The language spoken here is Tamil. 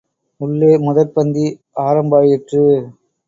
உள்ளே முதற்பந்தி ஆரம்பாயிற்று.